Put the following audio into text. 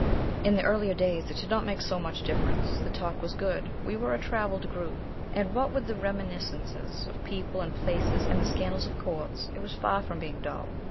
In the earlier days it did not make so much difference. The talk was good. We were a travelled group, and what with reminiscences of people and places, and the scandal of courts, it was far from being dull.